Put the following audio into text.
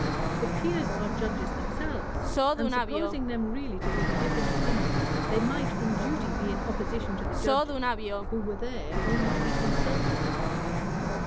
The Peers are Judges themselves; and supposing them really to be of a different opinion, they might from duty be in opposition to the Judges, who were there only to be consulted.'